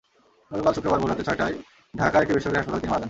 গতকাল শুক্রবার ভোর সাড়ে ছয়টায় ঢাকার একটি বেসরকারি হাসপাতালে তিনি মারা যান।